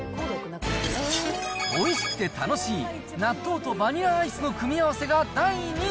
おいしくて楽しい納豆とバニラアイスの組み合わせが第２位。